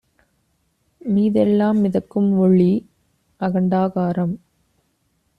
மீதெல்லாம் மிதக்கும்ஒளி, அகண்டாகாரம்